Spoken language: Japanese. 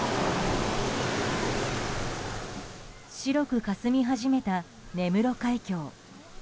白くかすみ始めた根室海峡。